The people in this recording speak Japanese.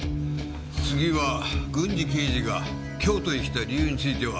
次は郡侍刑事が京都へ来た理由については？